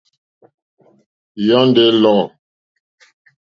Yɔ́ndɔ̀ é lɔ̂.